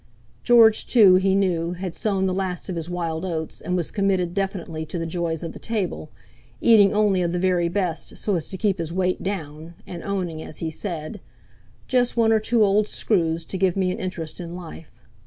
George, too, he knew, had sown the last of his wild oats, and was committed definitely to the joys of the table, eating only of the very best so as to keep his weight down, and owning, as he said, "just one or two old screws to give me an interest in life."